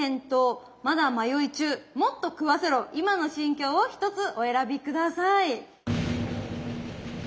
今の心境を１つお選び下さい。